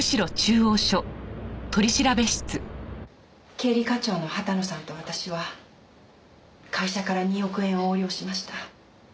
経理課長の畑野さんと私は会社から２億円を横領しました。